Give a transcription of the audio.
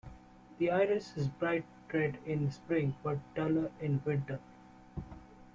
The iris is bright red in the spring, but duller in the winter.